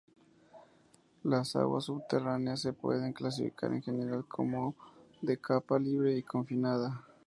Las aguas subterráneas se pueden clasificar en general como de capa libre y confinada.